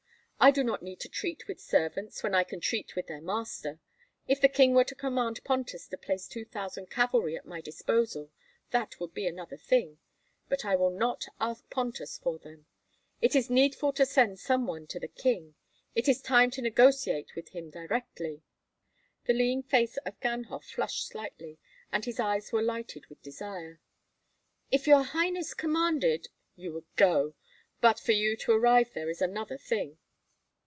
I do not need to treat with servants when I can treat with their master. If the king were to command Pontus to place two thousand cavalry at my disposal, that would be another thing. But I will not ask Pontus for them. It is needful to send some one to the king; it is time to negotiate with him directly." The lean face of Ganhoff flushed slightly, and his eyes were lighted with desire. "If your highness commanded " "You would go; but for you to arrive there is another thing.